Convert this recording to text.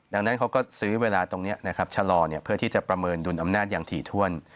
ดังนั้นเขาก็ซื้อเวลาตรงนี้นะครับชะลอเพื่อที่จะประเมินดุลอำนาจอย่างถี่ถ้วน